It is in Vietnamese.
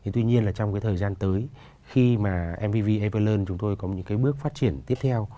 tuy nhiên là trong cái thời gian tới khi mà mvv everlear chúng tôi có những cái bước phát triển tiếp theo